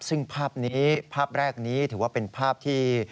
ซึ่งภาพนี้ภาพแรกนี้ถือว่าเป็นภาพที่